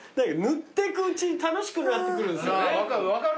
塗ってくうちに楽しくなってくるんですよね。